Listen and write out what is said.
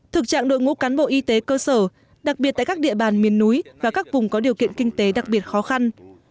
thực trạng đội ngũ cán bộ y tế cơ sở đặc biệt tại các địa bàn miền núi và các vùng có điều kiện kinh tế đặc biệt khó khăn